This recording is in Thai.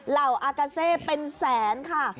เหล่าอากาเซเป็นแสนค่ะ